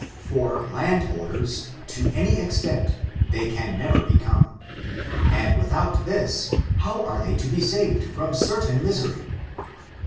For land holders, to any extent, they can never become, and, without this, how are they to be saved from certain misery?